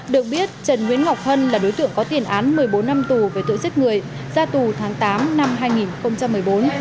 được biết trần nguyễn ngọc hân là đối tượng có tiền án một mươi bốn năm tù về tội giết người ra tù tháng tám năm hai nghìn một mươi bốn